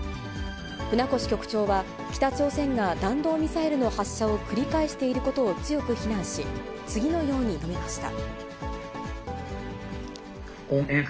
船越局長は、北朝鮮が弾道ミサイルの発射を繰り返していることを強く非難し、次のように述べました。